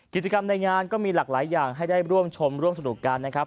กิจกรรมในงานก็มีหลากหลายอย่างให้ได้ร่วมชมร่วมสนุกกันนะครับ